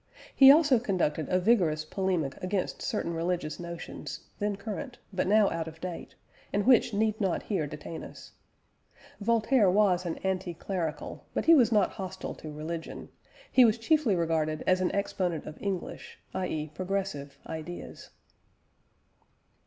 He also conducted a vigorous polemic against certain religious notions, then current, but now out of date, and which need not here detain us. Voltaire was an anti clerical, but he was not hostile to religion; he was chiefly regarded as an exponent of English (i.e. progressive) ideas.